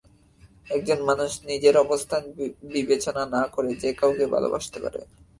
একজন মানুষ নিজের অবস্থান বিবেচনা না করে যে কাউকে ভালোবাসতে পারে।